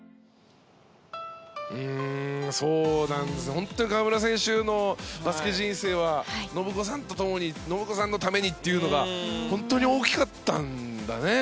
本当に河村選手のバスケ人生は信子さんとともに信子さんのためにというのが本当に大きかったんだね。